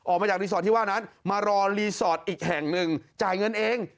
ออกมาจากรีสอร์ตที่ว่านั้นมารอรีสอร์ตอีกแห่งหนึ่ง